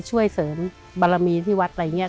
ช่วยเสริมบารมีที่วัดอะไรอย่างนี้